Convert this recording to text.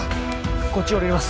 こっち降りれます。